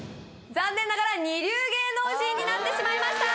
残念ながら二流芸能人になってしまいました